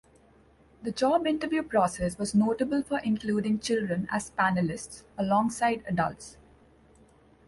The job interview process was notable for including children as panelists alongside adults.